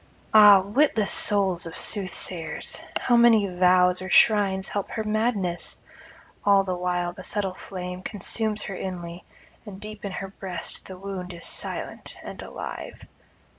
Ah, witless souls of soothsayers! how may vows or shrines help her madness? all the while the subtle flame consumes her inly, and deep in her breast the wound is silent and alive.